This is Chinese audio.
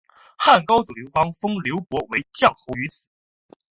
汉高祖刘邦封周勃为绛侯于此。